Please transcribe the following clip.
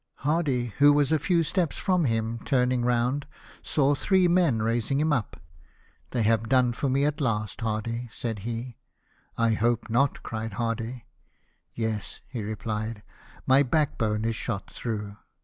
Hardy, who was a few steps from him, turning round, saw three men raising him up. " They have done for me at last, Hardy," said he. " I hope not !" cried Hardy. " Yes," he replied, " my backbone is shot through."